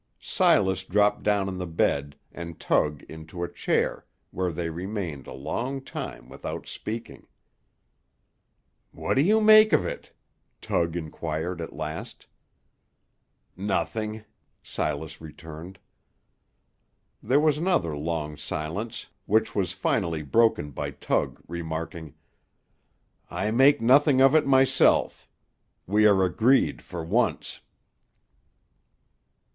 Silas dropped down on the bed, and Tug into a chair, where they remained a long time without speaking. "What do you make of it?" Tug inquired at last. "Nothing," Silas returned. There was another long silence, which was finally broken by Tug remarking, "I make nothing of it, myself. We are agreed for once."